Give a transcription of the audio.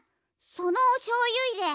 そのおしょうゆいれ